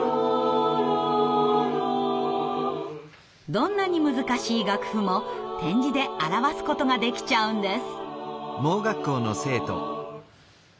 どんなに難しい楽譜も点字で表すことができちゃうんです。